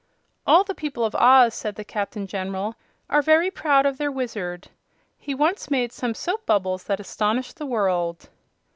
"All the people of Oz," said the Captain General, "are very proud of their Wizard. He once made some soap bubbles that astonished the world."